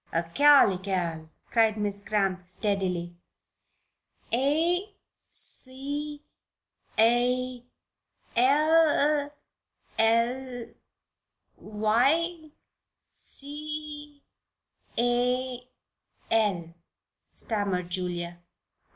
"'Acalycal,'" said Miss Cramp, steadily. "'A c a l l y c a l,'" stammered Julia.